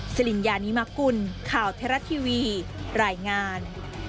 สิริญญานิมกุลข่าวเทราะทีวีรายงาน